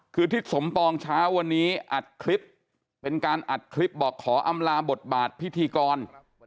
คือทิศสมปองเช้าวันนี้อัดคลิปเป็นการอัดคลิปบอกขออำลาบทบาทพิธีกร